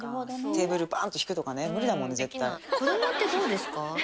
テーブルバンと引くとかね無理だもんね絶対。